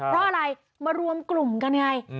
เพราะอะไรมารวมกลุ่มกันไง